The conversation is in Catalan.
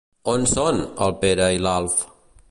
On són, el Pere i l'Alf?